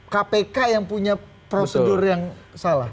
kpk yang punya prosedur yang salah